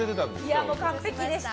いや、完璧でした。